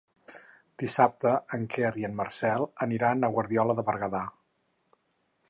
Dissabte en Quer i en Marcel aniran a Guardiola de Berguedà.